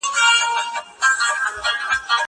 زه به سبا انځورونه رسم کړم!!